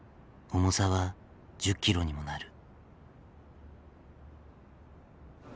重さは１０キロにもなる。